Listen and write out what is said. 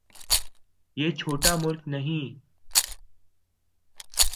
یہ چھوٹا ملک نہیں۔